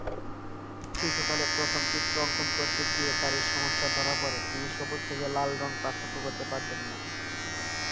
শিশুকালে প্রথম চিত্র অঙ্কন করতে গিয়ে তার এই সমস্যা ধরা পরে, তিনি সবুজ থেকে লাল পার্থক্য করতে পারতেন না।